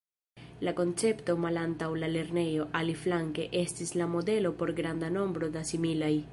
La koncepto malantaŭ la lernejo, aliflanke, estis la modelo por granda nombro da similaj.